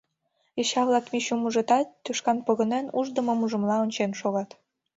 Йоча-влак Мичум ужытат, тӱшкан погынен, уждымым ужмыла ончен шогат.